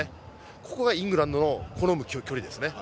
ここがイングランドの好む距離ですね。